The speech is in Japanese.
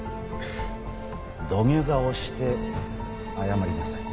土下座をして謝りなさい。